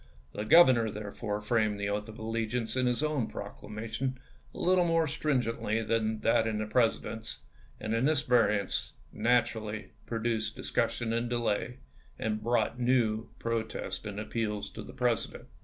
The Grovernor, therefore, framed the oath of allegiance in his own proclamation a little more stringently than that in the President's, and this variance naturally pro duced discussion and delay, and brought new pro tests and appeals to the President.